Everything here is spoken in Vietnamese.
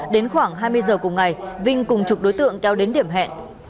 đến khoảng hai mươi giờ cùng ngày vinh cùng chục đối tượng kéo đến điểm hẹn